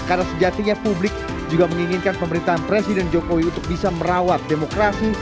karena sejatinya publik juga menginginkan pemerintahan presiden jokowi untuk bisa merawat demokrasi